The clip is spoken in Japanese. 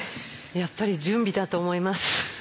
やっぱり準備だと思います。